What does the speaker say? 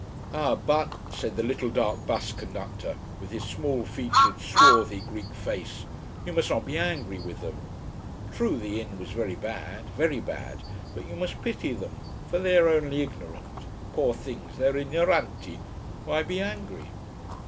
Ah, but said the little dark bus conductor, with his small featured swarthy Greek face you must not be angry with them. True the inn was very bad. Very bad but you must pity them, for they are only ignorant. Poor things, they are ignoranti! Why be angry?